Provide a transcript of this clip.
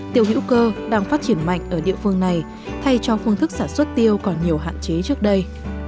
tiêu hữu cơ đang phát triển mạnh ở địa phương này thay cho phương thức sản xuất tiêu còn nhiều hạn chế trước đây